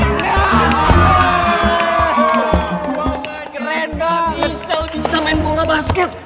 mereka bisa main bola basket